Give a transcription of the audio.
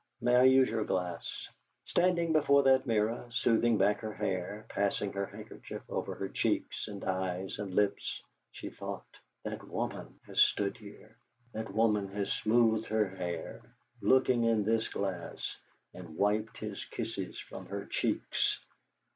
May I use your glass?" Standing before that mirror, smoothing back her hair, passing her handkerchief over her cheeks and eyes and lips, she thought: '.hat woman has stood here! That woman has smoothed her hair, looking in this glass, and wiped his kisses from her cheeks!